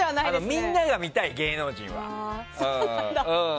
みんなが見たい芸能人は。